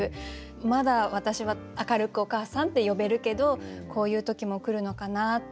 まだ私は明るく「おかあさん」って呼べるけどこういう時も来るのかなって。